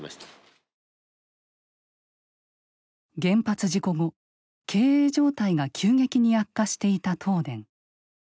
原発事故後経営状態が急激に悪化していた東電。